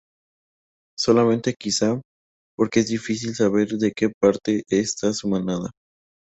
Solamente quizá, porque es difícil saber de que parte está su amada.